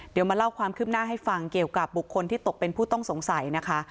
เดี๋ยวมาเล่าความคืบหน้าให้ฟังเกี่ยวกับบุคคลที่ตกเป็นผู้ต้องสงสัยนะคะ